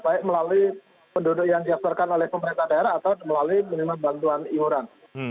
baik melalui penduduk yang diasarkan oleh pemerintah daerah atau melalui menerima bantuan iuran